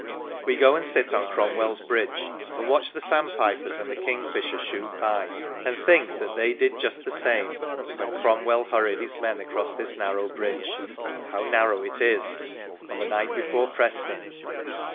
We go and sit on Cromwell's bridge, and watch the sandpipers and the kingfisher shoot by, and think that they did just the same when Cromwell hurried his men across this narrow bridge (how narrow it is !) on the night before Preston.